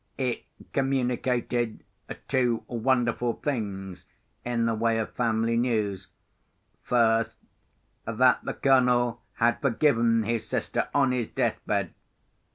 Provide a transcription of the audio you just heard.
It communicated two wonderful things in the way of family news. First, that the Colonel had forgiven his sister on his death bed.